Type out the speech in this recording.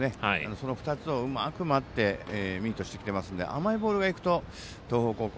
その２つをうまく待ってミートしてきてますので甘いボールがいくと東邦高校